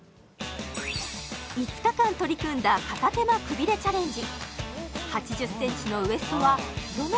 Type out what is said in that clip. ５日間取り組んだ片手間くびれチャレンジ